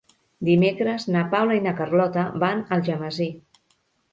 Dimecres na Paula i na Carlota van a Algemesí.